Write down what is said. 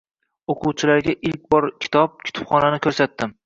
Oʻquvchilarga ilk bor kitob, kutubxonani ko’rsatdim.